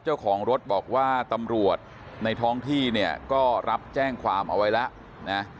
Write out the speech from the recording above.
เจ้าของรถบอกว่าตำรวจในท้องที่เนี่ยก็รับแจ้งความเอาไว้แล้วนะ